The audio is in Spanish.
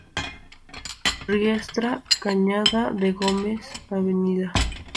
Riestra, Cañada de Gómez, Av.